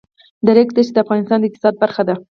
د ریګ دښتې د افغانستان د اقتصاد برخه ده.